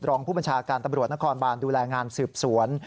รองผู้บัญชาการตำรวจนครบานดูแลงานสืบสวน